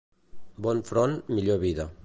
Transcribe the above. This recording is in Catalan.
Bon front, millor vida.